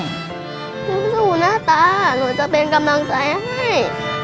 สู้หน้าตาหนูจะเป็นกำลังใจให้